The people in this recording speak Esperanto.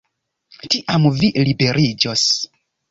Tiam vi liberiĝos.